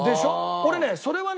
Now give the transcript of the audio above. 俺ねそれはね